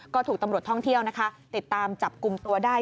ก็ถูกตำรวจท่องเที่ยวนะคะติดตามจับกลุ่มตัวได้